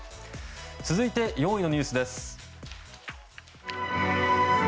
続いて、４位のニュースです。